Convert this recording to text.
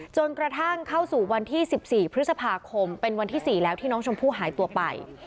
จนกระทั่งเข้าสู่วันที่๑๔พฤษภาคมเป็นวันที่๔แล้วที่น้องชมพู่หายตัวไป